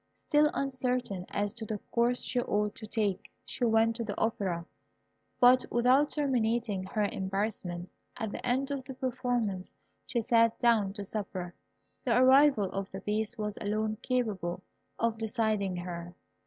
Still uncertain as to the course she ought to take, she went to the Opera, but without terminating her embarrassment. At the end of the performance she sat down to supper. The arrival of the Beast was alone capable of deciding her.